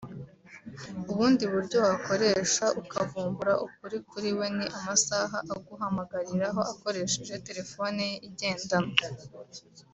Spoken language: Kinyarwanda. ubundi buryo wakoresha ukavumbura ukuri kuri we ni amasaha aguhamagariraho akoresheje telefoni ye igendanwa